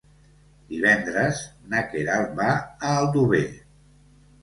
Divendres na Queralt va a Aldover.